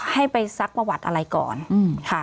ให้ไปซักประวัติอะไรก่อนค่ะ